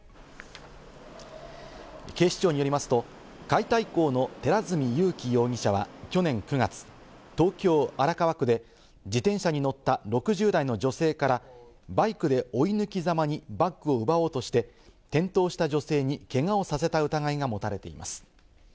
警視庁によりますと、解体工の寺墨優紀容疑者は去年９月、東京・荒川区で自転車に乗った６０代の女性からバイクで追い抜きざまにバッグを奪おうとして転倒した女性にけがをさせた疑いが持たれています。